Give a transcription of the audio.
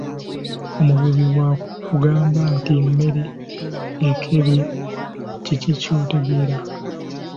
Omuvubi bwakugamba nti emmere ekebye kiki ky'otegeera?